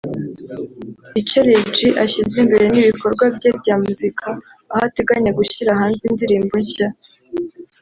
icyo Lil G ashyize imbere ni ibikorwa bye bya muzika aho ateganya gushyira hanze indirimbo nshya